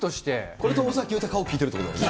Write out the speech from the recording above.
これと尾崎豊を聴いてるっていうことだよね。